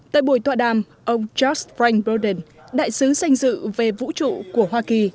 tại buổi tọa đàm ông george frank brodin đại sứ sanh dự về vũ trụ của hoa kỳ